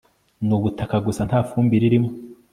Nubutaka gusa ntafumbire irimo